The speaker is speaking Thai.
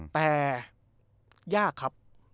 แต่ยากครับ